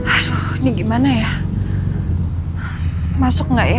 aduh ini gimana ya masuk nggak ya